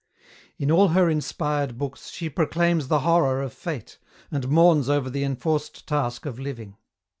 In all her inspired books she proclaims the horror of fate, and mourns over the enforced task of living.